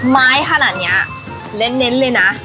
ไม้ขนาดนี้เน้นเลยนะ